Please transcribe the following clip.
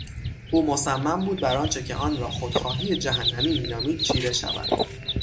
او مصصم بود بر آنچه که آن را خودخواهی جهنمی مینامید چیره شود.